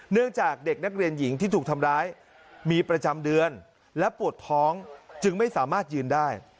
จากเด็กนักเรียนหญิงที่ถูกทำร้ายมีประจำเดือนและปวดท้องจึงไม่สามารถยืนได้